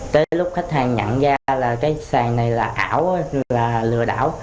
tới lúc khách hàng nhận ra là cái sàn này là ảo là lừa đảo